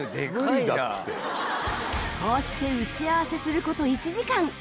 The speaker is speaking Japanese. こうして打ち合わせする事１時間。